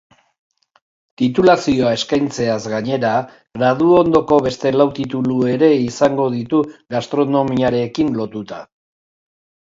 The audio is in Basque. Titulazioa eskaintzeaz gainera, graduondoko beste lau titulu ere izango ditu gastronomiarekin lotuta.